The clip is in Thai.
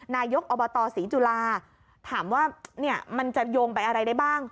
นายกอบตศรีจุฬาถามว่ามันจะโยงไปอะไรได้บ้าง